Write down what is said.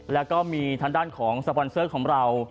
แล้วก็มีทางด้านของสปอนเซอร์ของเรา